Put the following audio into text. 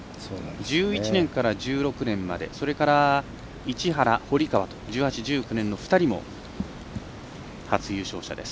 １１年から１６年までそれから市原、堀川と１８、１９年の２人も初優勝者です。